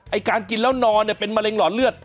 การกินแล้วนอนเนี่ยเป็นมะเร็งหลอดเลือด